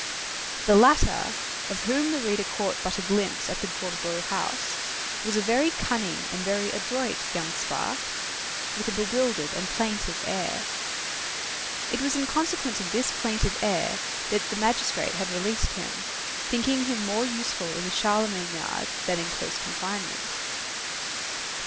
The latter, of whom the reader caught but a glimpse at the Gorbeau house, was a very cunning and very adroit young spark, with a bewildered and plaintive air. It was in consequence of this plaintive air that the magistrate had released him, thinking him more useful in the Charlemagne yard than in close confinement.